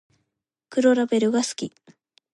黒ラベルが好き